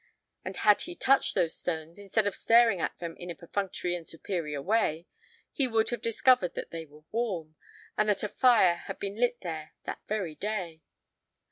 And had he touched those stones, instead of staring at them in a perfunctory and superior way, he would have discovered that they were warm, and that a fire had been lit there that very day.